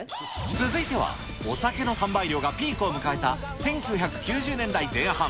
続いてはお酒の販売量がピークを迎えた１９９０年代前半。